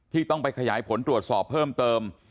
ต้องไปขยายผลตรวจสอบเพิ่มเติม